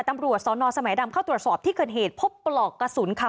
ตำรวจสนสมัยดำเข้าตรวจสอบที่เกิดเหตุพบปลอกกระสุนค่ะ